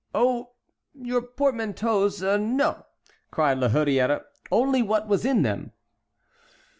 "Oh! your portmanteaus? Oh, no," cried La Hurière, "only what was in them."